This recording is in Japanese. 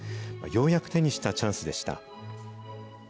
ようやく手にしたチャンスでした。